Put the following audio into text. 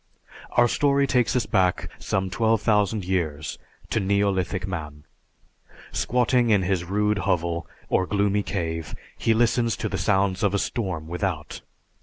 _) Our story takes us back some twelve thousand years to neolithic man. Squatting in his rude hovel or gloomy cave, he listens to the sounds of a storm without.